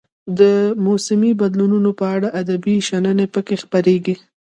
د موسمي بدلونونو په اړه ادبي شننې پکې خپریږي.